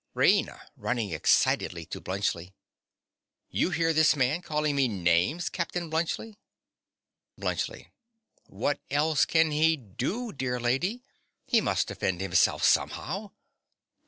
RAINA. (running excitedly to Bluntschli). You hear this man calling me names, Captain Bluntschli? BLUNTSCHLI. What else can he do, dear lady? He must defend himself somehow.